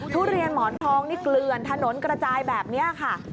ทุเรียนหมอนทองนี่เกลือนถนนกระจายแบบนี้ค่ะ